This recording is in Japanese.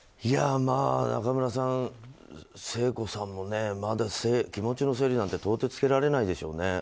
中村さん、聖子さんも気持ちの整理なんて到底つけられないでしょうね。